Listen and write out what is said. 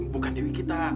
bukan dewi kita